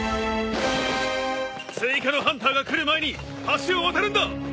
追加のハンターが来る前に橋を渡るんだ！